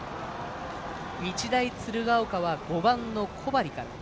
日大鶴ヶ丘は５番の小針から。